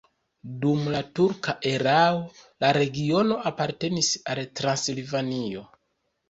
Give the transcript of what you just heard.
Dum la turka erao la regiono apartenis al Transilvanio.